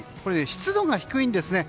湿度が低いんですね。